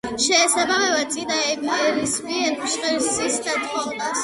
შეესაბამება წინაენისმიერ მჟღერ სისინა თანხმოვანს.